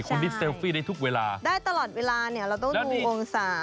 คนที่เซลฟี่ได้ทุกเวลาได้ตลอดเวลาเนี่ยเราต้องดูองศา